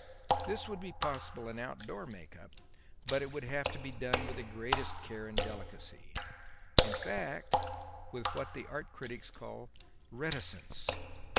This would be possible in outdoor make up, but it would have to be done with the greatest care and delicacy; in fact, with what the art critics call 'reticence.'